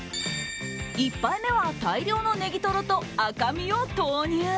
１杯目は大量のネギトロと赤身を投入。